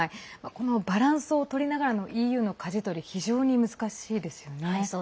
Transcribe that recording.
このバランスをとりながらのＥＵのかじ取り非常に難しいですよね。